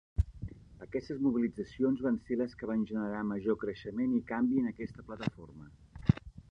Aquestes mobilitzacions van ser les que van generar major creixement i canvi en aquesta plataforma.